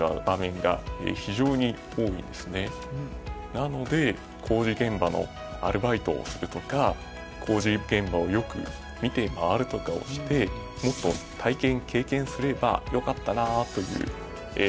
なので工事現場のアルバイトをするとか工事現場をよく見て回るとかをしてもっと体験・経験すれば良かったなという思いはあります。